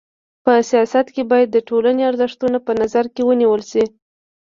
په سیاست کي بايد د ټولني ارزښتونه په نظر کي ونیول سي.